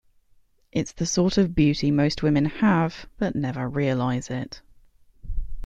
It's the sort of beauty most women have, but never realize it.